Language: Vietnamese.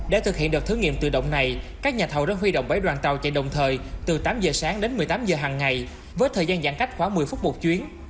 để thực hiện đợt thử nghiệm tự động này các nhà thầu đã huy động bảy đoàn tàu chạy đồng thời từ tám giờ sáng đến một mươi tám giờ hằng ngày với thời gian giãn cách khoảng một mươi phút một chuyến